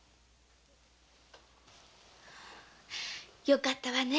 よかったわね